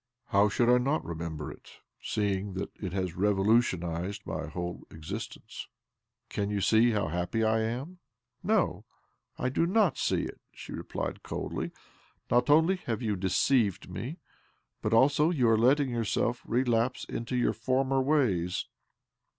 " ''How should I not remember it, seeing that it has revolutionized my whole exist ence? Cannot you see how happy I am?" '■• No, I do not see it," she replied coldly. ' Not only have you deceived me, but also you are letting yourself relapse into your former ways."